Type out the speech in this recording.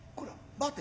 待て。